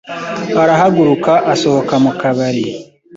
arahaguruka asohoka mu kabari.